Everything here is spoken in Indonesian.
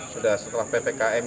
sudah setelah ppkm yang